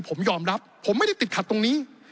ผมยอมรับผมไม่ได้ติดขัดตรงนี้